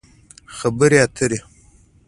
خبرې اترې